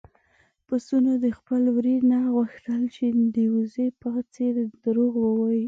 پسونو د خپل وري نه وغوښتل چې د وزې په څېر دروغ ووايي.